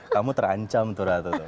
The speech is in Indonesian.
kamu terancam tuh ratu